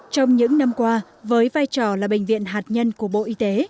trong những năm qua với vai trò là bệnh viện hạt nhân của bộ y tế